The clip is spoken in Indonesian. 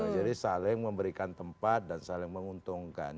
jadi saling memberikan tempat dan saling menguntungkan